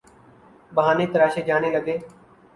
بہانے تراشے جانے لگے۔